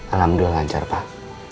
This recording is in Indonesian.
alhamdulillah lancar pak